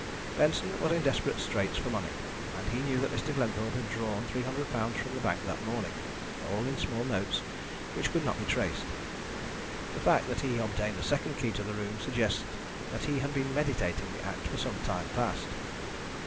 Benson was in desperate straits for money, and he knew that Mr. Glenthorpe had drawn £300 from the bank that morning, all in small notes, which could not be traced. The fact that he obtained a second key to the room suggests that he had been meditating the act for some time past.